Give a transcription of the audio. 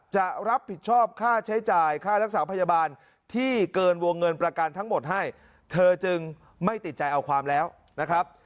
จะรับผิดชอบค่าใช้จ่ายค่ารักษาพยาบาลที่เกินวงเงินประกันทั้งหมดให้เธอจึงไม่ติดใจเอาความแล้วนะครับ